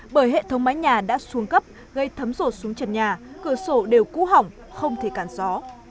bởi hệ thống mái nhà đã xuống cấp gây thấm rột xuống trần nhà cửa sổ đều cũ hỏng không thể cản gió